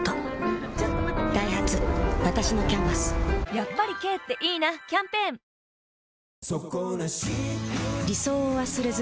やっぱり軽っていいなキャンペーン「ファンクロス」